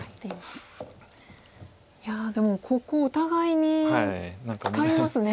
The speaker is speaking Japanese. いやでもここお互いに使いますね。